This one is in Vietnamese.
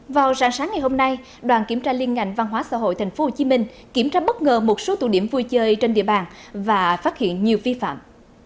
vào sáng sáng ngày hôm nay đoàn kiểm tra liên ngành văn hóa xã hội tp hcm kiểm tra bất ngờ một số tụ điểm vui chơi trên địa bàn và phát hiện nhiều vi phạm